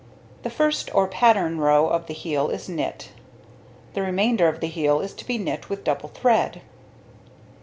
The first or pattern row of the heel is knit; the remainder of the heel is to be knit with double thread.